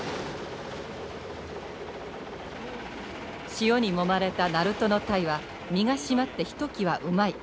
潮にもまれた鳴門のタイは身が締まってひときわうまい。